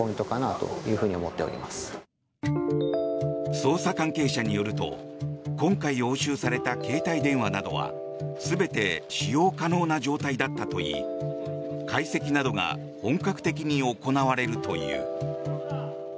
捜査関係者によると今回、押収された携帯電話などは全て使用可能な状態だったといい解析などが本格的に行われるという。